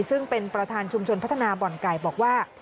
ซึ่งเป็นประธานชุมชนพัฒนาบ่อนไก่บอกว่า